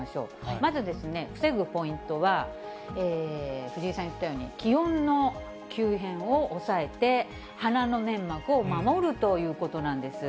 まず防ぐポイントは、藤井さん言ったように、気温の急変を抑えて、鼻の粘膜を守るということなんです。